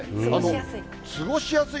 過ごしやすい？